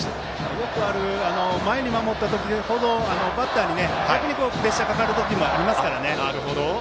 よくある前に守った時ほどバッターに逆にプレッシャーがかかる時もありますから。